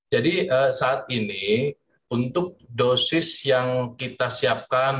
jadi saat ini untuk dosis yang kita siapkan